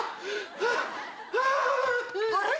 あれ？